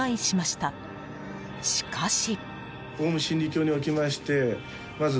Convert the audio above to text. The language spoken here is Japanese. しかし。